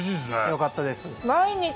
よかったです。